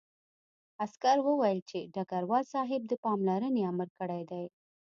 عسکر وویل چې ډګروال صاحب د پاملرنې امر کړی دی